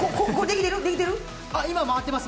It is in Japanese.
今、回ってます！